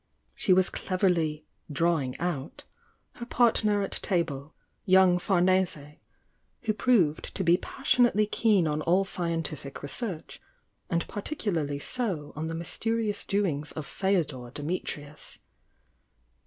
She was cleverly "drawmg out" her partner at table young Farne^, who proved to be passionately keen on all scientific research, and particularly so on the mysterious doings of Feodor Diraitrius.